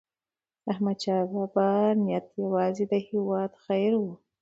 داحمدشاه بابا نیت یوازې د هیواد خیر و.